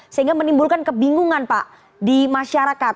sehingga menimbulkan kebingungan pak di masyarakat